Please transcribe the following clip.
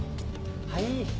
はい。